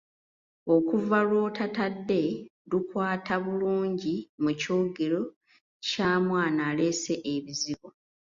Okuva lw’otatadde lukwatabalungi mu kyogero kya mwana oleese ebizibu.